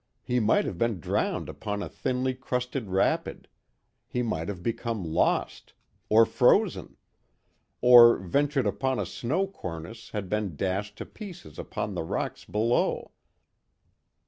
He might have been drowned upon a thinly crusted rapid. He might have become lost. Or frozen. Or, ventured upon a snow cornice and been dashed to pieces upon the rocks below.